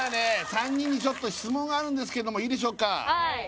３人に質問があるんですけどもいいでしょうか？